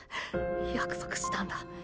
約束したんだ。